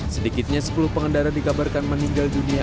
sedikitnya sepuluh pengendara dikabarkan meninggal dunia